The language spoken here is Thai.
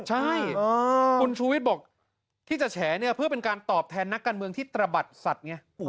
ใช่คุณชูวิทย์บอกที่จะแฉเนี่ยเพื่อเป็นการตอบแทนนักการเมืองที่ตระบัดสัตว์ไง